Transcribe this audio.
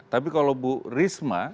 tapi kalau bu risma